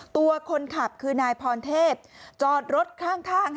ตัวคนขับคือนายพรเทพจอดรถข้าง